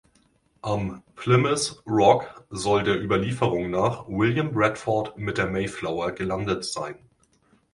Am "Plymouth Rock" soll der Überlieferung nach William Bradford mit der Mayflower gelandet sein.